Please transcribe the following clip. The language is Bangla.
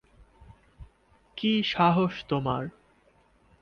কি সাহস তোমার!